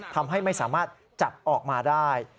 ทำให้ไม่สามารถจับออกมาได้